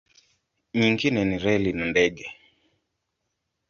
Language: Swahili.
Nyingine ni reli na ndege.